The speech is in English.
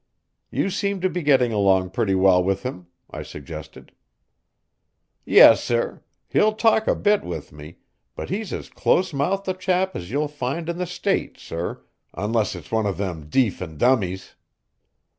"You seem to be getting along pretty well with him," I suggested. "Yes, sir; he'll talk a bit with me, but he's as close mouthed a chap as you'll find in the state, sir, unless it's one of them deef and dummies."